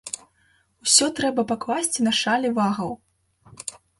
Усё трэба пакласці на шалі вагаў.